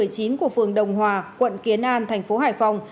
của phường đồng hòa quận kiến an thành phố hải phòng